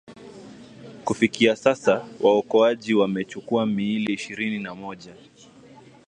kufikia sasa waokoaji wamechukua miili ishirini na moja